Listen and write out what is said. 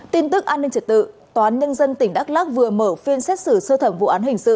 tin tức an ninh trật tự tòa án nhân dân tỉnh đắk lắc vừa mở phiên xét xử sơ thẩm vụ án hình sự